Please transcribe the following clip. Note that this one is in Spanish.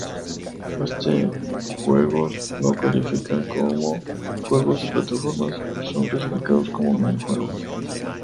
Este juegos no califican como juegos de plataformas y son clasificados como minijuegos.